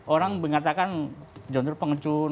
orang mengatakan jondro pengecun